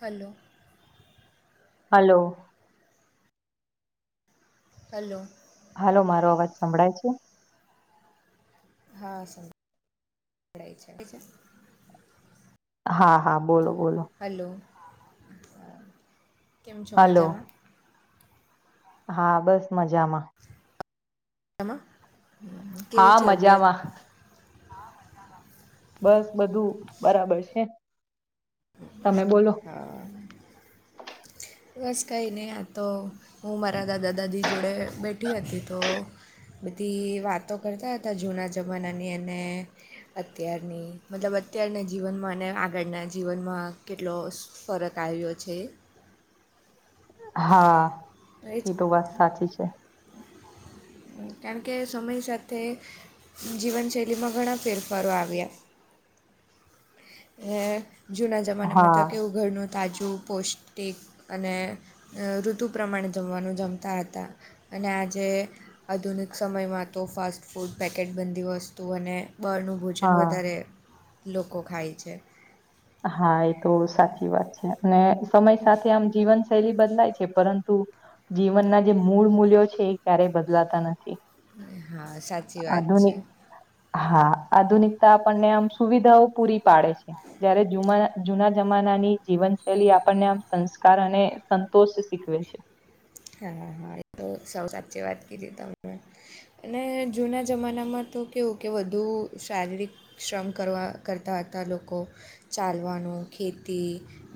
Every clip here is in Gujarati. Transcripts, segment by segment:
હલો. હલો. હલો. હાલો મારો અવાજ સંભળાય છે? હા [unintelligible] છે. હા હા બોલો બોલો. હલો કેમ છો હલો મજામાં? હા બસ મજામાં. [inaudible] હા તબિયત મજામાં. બસ બધું બરાબર છે. તમે બોલો હ બસ કઈ નહીં આતો હું મારા દાદા દાદી જોડે બેઠી હતી તો બધી વાતો કરતા હતા જૂના જમાનાની અને અત્યારની મતલબ અત્યારના જીવનમાંને આગળના જીવનમાં કેટલો ફરક આવ્યો છે. હા એ તો વાત સાચી છે. કારણ કે સમય સાથે જીવનશૈલીમાં ઘણા ફેરફારો આવ્યા. એ જૂના જમાનામાં તો હા કેવું ઘરનું તાજું પૌષ્ટિક અને ઋતુ પ્રમાણે જમવાનું જમતા હતા. અને આજે આધુનિક સમયમાં તો ફાસ્ટ ફૂડ પેકેટ બંધી વસ્તુ અને બહારનું ભોજન હા વધારે લોકો ખાય છે. હા એ તો સાચી વાત છે અને સમય સાથે આમ જીવન શૈલી બદલાય છે પરંતુ જીવનના જે મૂળ મૂલ્યો છે એ ક્યારેય બદલાતા નથી. હા સાચ આધુન હા આધુનિકતા આપણને આમ સુવિધાઓ પૂરી પાડે છે જયારે જુના જમાનાની જીવનશૈલી આપણને આમ સંસ્કાર અને સંતોષ શીખવે છે. હા હા એ તો સૌ સાચી વાત કીધી તમે. અને જૂના જમાનામાં તો કેવું કે વધુ શારીરિક શ્રમ કરવા કરતા હતા લોકો ચાલવાનું ખેતી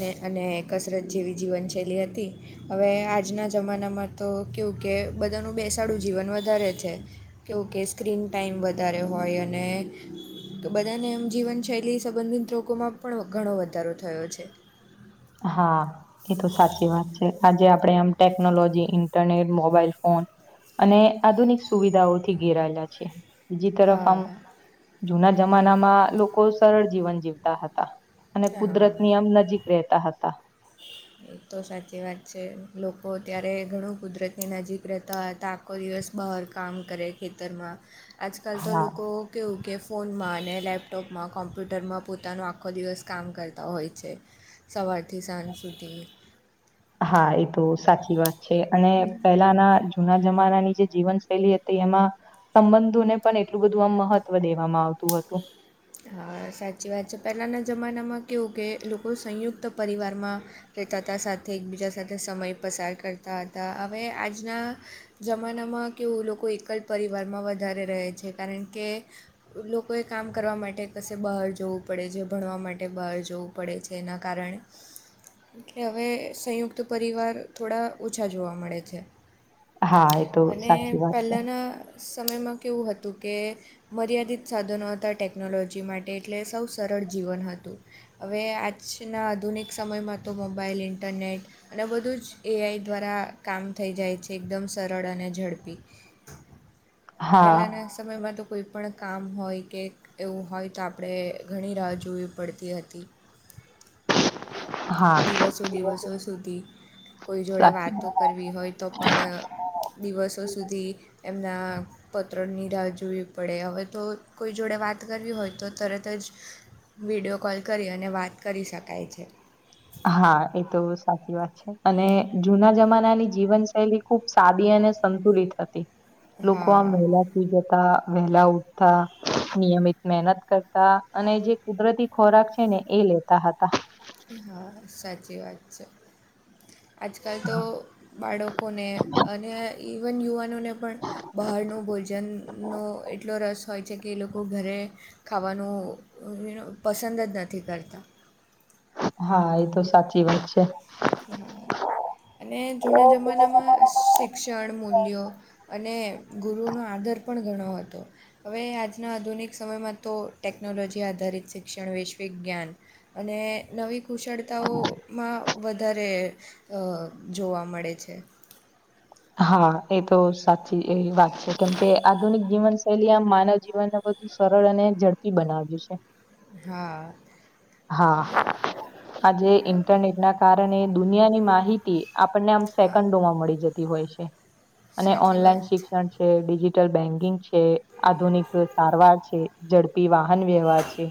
ને અને કસરત જેવી જીવનશૈલી હતી હવે આ આજના જમાનામાં તો કેવું કે બધાનું બેસાડું જીવન વધારે છે. કેવ કે સ્ક્રીન ટાઈમ વધારે હોય અને તો બધાને એમ જીવનશૈલી સંબંધિત લાકોમાં પણ ઘણો વધારો થયો છે. હા એ તો સાચી વાત છે. આજે આપડે આમ ટેકનોલોજી ઇન્ટરનેટ મોબાઈલ ફોન અને આધુનિક સુવિધાઓથી ઘેરાયેલા છે. બીજી તરફ આમ હા જુના જમાનામાં લોકો સરળ જીવન જીવતા હતા. અને કુદરત હા ની આમ નજીક રહેતા હતા. એ તો સાચી વાત છે લોકો ત્યારે ઘણું કુદરતની નજીક રહેતા હતા. આખો દિવસ બહાર કામ કરે ખેતરમાં આજકાલ તો હા લોકો કેવું કે ફોનમાં અને લેપટોપમાં કોમ્પ્યુટરમાં પોતાનો આખો દિવસ કામ કરતા હોય છે. સવારથી સાંજ સુધી. હા એ તો સાચી વાત છે અને પહેલાના જૂના જમાનાની જે જીવનશૈલી હતી એમાં સંબંધોને પણ એટલું બધું આમ મહત્વ દેવામાં આવતું હતું. હ સાચી વાત છે પહેલાંના જમાનામાં કેવું કે લોકો સંયુક્ત પરિવારમાં કે રેતા સાથે એકબીજા સાથે સમય પસાર કરતા હતા હવે આજના જમાનામાં કેવું લોકો એકલ પરિવારમાં વધારે રહે છે કારણ કે લોકો કોઈ કામ કરવા માટે કશે બહાર જવું પડે છે ભણવા માટે બહાર જવું પડે છે એના કારણે એટલે હવે સંયુક્ત પરિવાર થોડા ઓછા જોવા મળે છે. હા, એ તો અને સાચી વાત છે. પહેલાના સમયમાં કેવું હતું કે મર્યાદિત સાધનો હતા ટેકનોલોજી માટે એટલે સૌ સરળ જીવન હતું. હવે આજના આધુનિક સમયમાં તો મોબાઈલ ઇન્ટરનેટ અને બધું જ એઆઈ દ્વારા કામ થઈ જાય છે એકદમ સરળ અને ઝડપી. હા, પહેલાના સમયમાં તો. કોઈ પણ કામ હોય કે એવું હોય તો આપણે ઘણી રાહ જોવી પડતી હતી હા. દિવસો દિવસો સુધી કોઈ જોડે સાચી વાતો વાત. કરવી હોય તો પણ દિવસો સુધી એમના પત્રોની રાહ જોવી પડે હવે તો કોઈ જોડે વાત કરવી હોય તો તરત જ વિડીયો કોલ કરી અને વાત કરી શકાય છે. હા એ તો સાચી વાત છે અને જુના જમાનાની જીવનશૈલી ખુબ સાદી અને સંતુલિત હતી લોકો આમ હા વહેલા હુઈ જતાં વહેલા ઉઠતા નિયમિત મહેનત કરતા અને જે કુદરતી ખોરાક છે ને એ લેતા હતા. હા સાચી વાત છે આજકાલ તો બાળકોને અને ઇવન યુવાનોને પણ બહારનું ભોજનનો એટલો રસ હોય છે કે એ લોકો ઘરે ખાવાનું અ પસંદ જ નથી કરતા. હા એ તો સાચી વાત છે. અને જૂના જમાનામાં શિક્ષણ મૂલ્યો અને ગુરુનો આદર પણ ઘણો હતો. હવે આજના આધુનિક સમયમાં તો ટેકનોલોજી આધારિત શિક્ષણ વૈશ્વિક જ્ઞાન અને નવી કુશળતાઓમાં વધારે અ જોવા મળે છે. હા એ તો સાચી એવી વાત છે કેમકે. આધુનિક જીવનશૈલી આ માનવ જીવનને બધુ સરળ અને ઝડપી બનાવ્યું છે. હા. હા. આજે ઈન્ટરનેટના કારણે દુનિયાની માહિતી આપણને આમ હા સેકન્ડોમાં મળી જતી તી હોય છે અને સાચી ઓનલાઈન વાત શિક્ષણ છે, ડિજિટલ બેન્કિંગ છે છે આધુનિક સારવાર છે, ઝડપી વાહન વ્યવહાર છે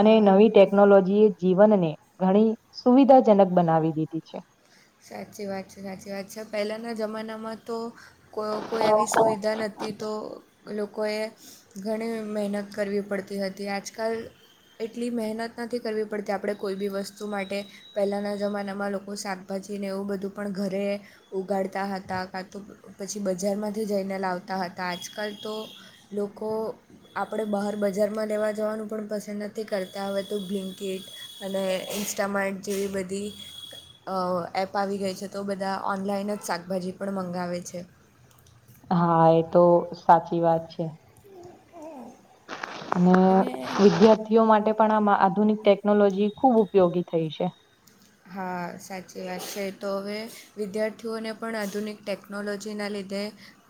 અને નવી ટેક જી જીવનને ઘણી સુવિધાજનક બનાવી દીધી છે. સાચી વાત છે, પહેલાના જમાનામાં તો, કોઈ આવી સુવિધા નથી, તો લોકોએ ઘણી મહેનત કરવી પડતી હતી. આજકાલ, એટલી મહેનત નથી કરવી પડતી, આપણે કોઈ પણ વસ્તુ માટે પહેલાંના જમાનામાં લોકો શા, પછી ને એવું બધું પણ ઘરે ઉગાડતા હતા. કયા, પછી બજારમાંથી જઈને લાવતા હતા આજકાલ તો લોકો, આપણે બહાર બજારમાં લેવા જવાનું પણ પસંદ નથી કરતા, હવે તો બ્લિન્કેટ, અને ઇન્સ્ટામાં એડ જેવી બધી, એપ આવી ગઈ છે તો બધા ઓનલાઈન જ શાકભાજી પણ મંગાવે છે. હા, એ તો સાચી વાત છે. અને વિજ્ઞ માટે પણ આ આધુનિક ટેકનોલોજી ખુબ ઉપયોગી થઈ છે. હા, સાચી વાત છે તો હવે વિદ્યાર્થીઓને પણ આધુનિક ટેકનોલોજીના લીધે,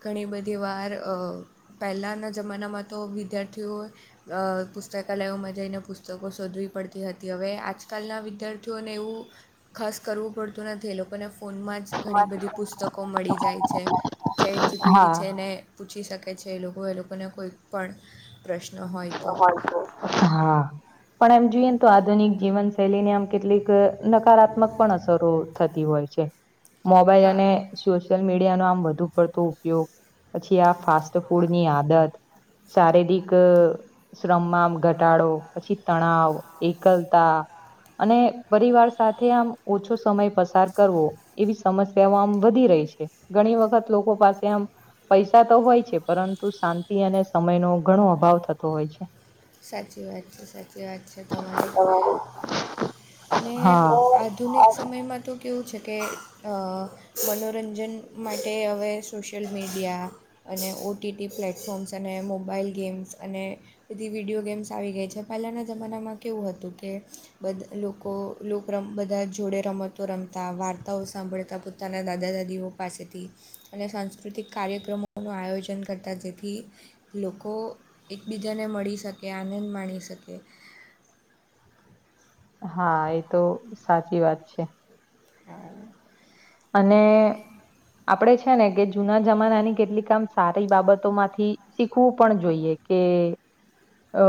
ઘણી બધી વાર પહેલાંના જમાનામાં તો વિદ્યાર્થીઓ, પુસ્તકાલયોમાં જઈને પુસ્તકો શોધવી પડતી હતી. હવે, આજકાલના વિદ્યાર્થીઓને એવું, ખાસ કરવું પડતું નથી એ લોકોને ફોનમાં જ ઘણી બધી પુસ્તકો, કો મળી જાય છે, ચેટ જીપીટી છે હા ને, પૂછી શકે છે એ લોકો એ લોકોને કોઈક પણ, પ્રશ્ન હોય, તો હા, પણ એમ જોઈએ તો આધુનિક જીવનશૈલી, કેટલીક નકારાત્મક પણ અસરો થતી હોય છે. મોબાઈલ હા અને, સોશિયલ મીડિયાનો આમ વધુ પડતો ઉપયોગ પછી આ ફાસ્ટ હા ફૂડની આદત, શારીરિક, શ્રમમાં ઘટાડો પછી તણાવ એકલતા, અને પરિવાર સાથે આમ ઓછો સમય પસાર કરવો, એવી સમસ્યાઓ આમ વધી રહી છે. ઘણી વખત લોકો પાસે આમ પૈસા, તો હોય છે પરંતુ શાંતિ અને સમય નો ઘણો અભાવ થતો, હોય છે. સાચી વાત છે, તમારી. [inaudible] ને હા આધુનિક સમયમાં તો કેવું છે કે, મનોરંજન માટે હવે સોશિયલ મીડિયા, અને ઓ ટી ટી પ્લેટફોર્મ્સ અને મોબાઈલ ગેમ્સ અને, બથી વિડીયો ગેમ્સ આવી ગઈ છે પહેલાંના જમાનામાં કેવું હતું કે બધું, લોકો બધા જોડે રમતો રમતા વાર્તાઓ સાંભળતા પોતાના દાદા-દાદીઓ, પાસેથી અને સાંસ્કૃતિક કાર્યક્રમોનું આયોજન કરતા જેથી, લોકો એકબીજાને મળી શકે આનંદ માણી શકે. હા, એ તો સાચી વાત છે. હા. અને આપણે છે કે જૂના જમાનાની કેટલી કામ, સારી બાબતોમાંથી શીખવું પણ જોઈએ. કે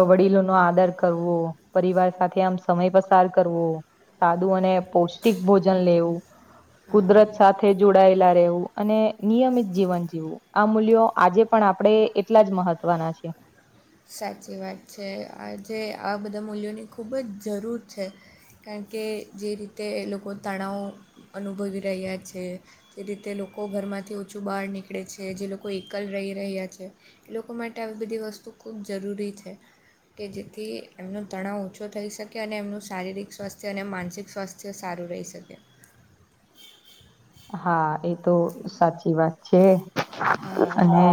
વડીલો, નો આદર કરવો, પરિવાર સાથે આમ સમય પસાર કરવો, સાદું અને પૌષ્ટિક ભોજન લેવું આ કુદરત સાથે જોડાયેલા રહે, અને નિયમિત જીવન જીવવું આ મૂલ્યો આજે પણ આપણેે એટલા જ મહત્વના છે. સાચી વાત છે, આજે આ બધા મૂલ્યોની ખૂબ જ જરૂર છે. કારણ કે જે રીતે લોકો તણાવ અનુભવી રહ્યા છે. જે રીતે લોકો ઘરમાંથી ઓછું બહાર નીકળે છે જે લોકો એકલ રહી રહ્યા છે. લોકો માટે આવી બધી વસ્તુ ખૂબ જરૂરી છે. કે જેથી એમનો તણાવ ઓછો થઈ શકે અને એમનું શારીરિક સ્વાસ્થ્ય અને માનસિક સ્વાસ્થ્ય, એ સારું રહી શકે. હા એ તો સાચી વાત છે હા અને,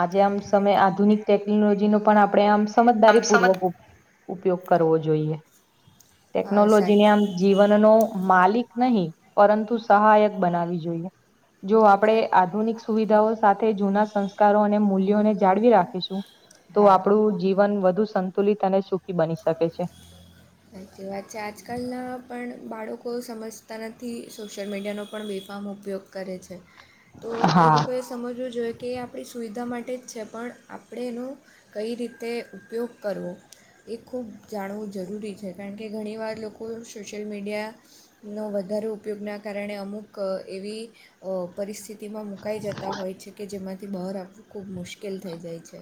આજે આમ સમય આધુનિક ટેકનોલોજી નો પણ આપણે આમ આમ સમજ સમજદારીપૂર્વક ઉપ ઉપયોગ કરવો જોઈએ. હા ટેકનોલોજીને આમ સાચી જીવનનો માલિક નહીં પરંતુ સહાયક બનાવી જોઈએ. જો આપણે સાચ આધુનિક સુવિધાઓ સાથે જૂના સંસ્કારો અને મૂલ્યોને જાળવી રાખીશું, તો હા આપણું જીવન વધુ સંતુલિત અને સુખી બની શકે છે. સાચી વાત છે. આજકાલના પણ બાળકો સમજતા નથી, સોશિયલ મીડિયાનો પણ બેફામ ઉપયોગ કરે છે. તો એ હા લોકોએ સમજવું જોઈએ કે એ આપણી સુવિધા માટે જ છે, પણ આપણે એનું કંઈ રીતે ઉપયોગ કરવો એ ખૂબ જાણવું જરૂરી છે કારણ કે ઘણીવાર લોકો સોશિયલ મીડિયા નો વધારે ઉપયોગના કારણે અમુક એવી અહ પરિસ્થિ તિમાં મુકાઈ જતા હોય છે કે જેમાંથી બહાર આવવું ખૂબ મુશ્કેલ થઈ જાય છે.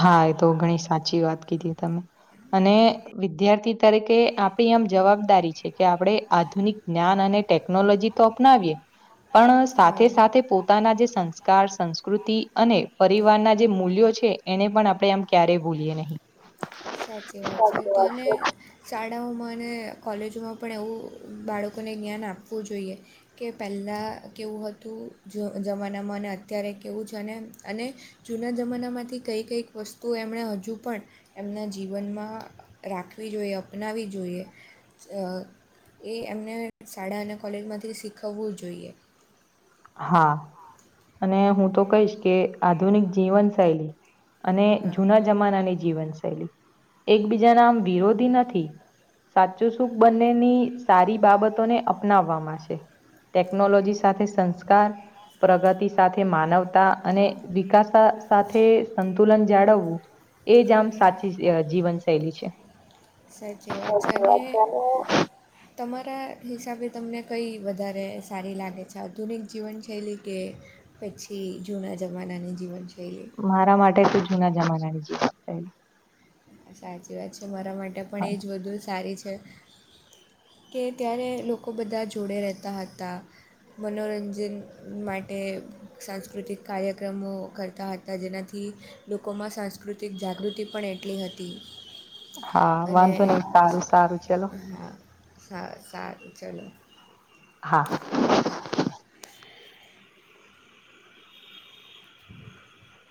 હા એ તો ઘણી સાચી વાત કીધી તમે. અને વિદ્યાર્થી તરીકે આપણી આમ જવાબદારી છે કે આપણે આધુનિક જ્ઞાન અને ટેકનોલોજી તો અપનાવીએ [inaudible] પણ હા સાથે-સાથે પોતાના જે સંસ્કાર, સંસ્કૃતિ અને પરિવારના જે મૂલ્યો ને પણ આપણે આમ ક્યારેય ભૂલીએ નહીં. સાચી વાત છે. તો અને શાળાઓમાં અને કોલેજોમાં પણ એવું બાળકોને જ્ઞાન આપવું જોઈએ. કે પહેલાં કેવું હતું જ જમાનામાં અને અત્યારે કેવું છે, અને-અને જૂના જમાનામાંથી કંઈ કંઈક વસ્તુઓ એમણે હજુ પણ એમના જીવનમાં રાખવી જોઈએ, અપનાવી જોઈએ. અહ એ એમને શાળા અને કોલેજમાંથી શીખવવું જોઈએ. હા. અને હું તો કહીશ કે આધુનિક જીવનશૈલી અને હા જૂના જમાનાની જીવનશૈલી એકબીજાના આમ વિરોધી નથી. સાચું સુખ બંનેની સારી બાબતોને અપનાવવામાં છે. ટેકનોલોજી સાથે સંસ્કાર પ્રગતિ સાથે માનવતા અને વિકાસ સા સાથે સંતુલન જાળવવું એ જ આમ સાચી જીવન અહ શૈલી છે. સાચી વાત છે અને તમારા હિસાબે તમને કંઈ વધારે સારી લાગે છે આધુનિક જીવનશૈલી કે પછી જૂના જમાનાની જીવનશૈલી? મારા માટે તો જૂના જમાનાની જ શૈલી. સાચી વાત છે. મારા માટે પણ એ જ વધું સારી છે. કે ત્યારે લોકો બધા જોડે રહેતા હતા મનોરંજન માટે સાંસ્કૃતિક કાર્યક્રમો કરતા હતા, જેનાથી લોકોમાં સાંસ્કૃતિક જાગૃતિ પણ એટલી હતી. હા અને વાંધો નહીં, સારું-સારું ચલો. હા. સારું-સારું, ચલો. હા. હા. [inaudible]